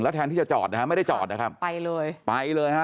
แทนที่จะจอดนะฮะไม่ได้จอดนะครับไปเลยไปเลยฮะ